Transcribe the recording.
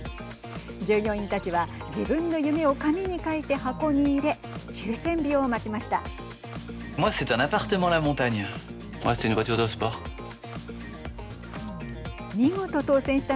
従業員たちは自分の夢を紙に書いて箱に入れ抽せん日を待ちました。